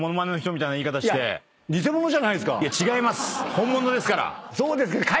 本物ですから。